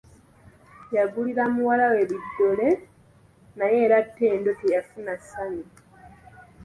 Yagulira muwala we biddole naye era Ttendo teyafuna ssayu.